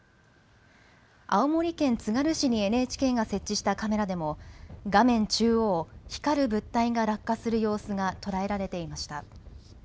青森県つがる市にＮＨＫが設置したカメラでも画面中央、光る物体が落下する様子が捉えられていました。